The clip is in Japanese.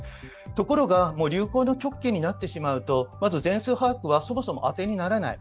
ところが流行の時期になれば、全数把握はそもそも当てにならない。